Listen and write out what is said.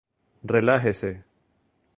Relájese